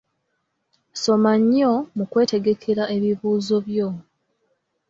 Soma nnyo mu kwetegekera ebibuuzo byo.